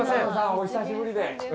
お久しぶり。